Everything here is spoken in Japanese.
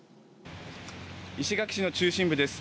石垣市の中心部です。